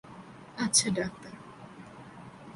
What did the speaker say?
আচ্ছা, ডাক্তার।